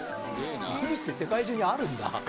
グミって世界中にあるんだ。